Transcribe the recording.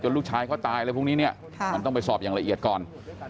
จนลูกชายก็ตายแล้วพรุ่งนี้มันต้องไปสอบอย่างละเอียดก่อน